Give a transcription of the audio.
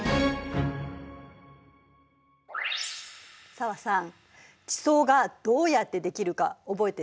紗和さん地層がどうやってできるか覚えてる？